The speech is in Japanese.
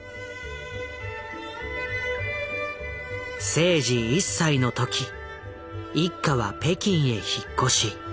征爾１歳の時一家は北京へ引っ越し。